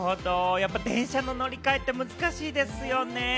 やっぱり、電車の乗り換えって難しいですよね。